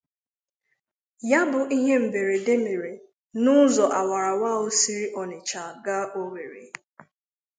ya bụ ihe mberede mèrè n'ụzọ awara-awara ahụ siri Onisha gaa Owerri